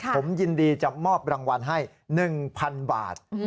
ผมยินดีจะมอบรางวัลให้๑๐๐๐บาท